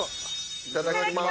・いただきます！